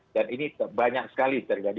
dan ini banyak sekali terjadi